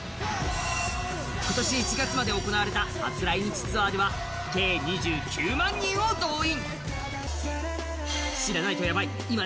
今年１月まで行われた初来日ツアーでは、計２９万人を動員。